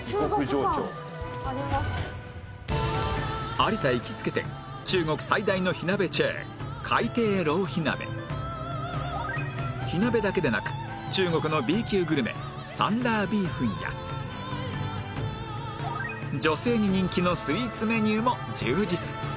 有田行きつけ店中国最大の火鍋チェーン火鍋だけでなく中国の Ｂ 級グルメサンラービーフンや女性に人気のスイーツメニューも充実